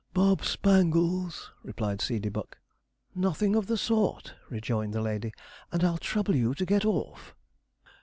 'Bob Spangles,' replied Seedeybuck. 'Nothing of the sort,' rejoined the lady; 'and I'll trouble you to get off.'